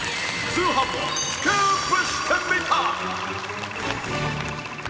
『通販をスクープしてみた！！』。